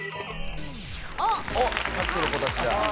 さっきの子たちだ。